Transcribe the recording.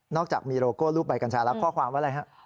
จากมีโลโก้รูปใบกัญชาแล้วข้อความว่าอะไรฮะ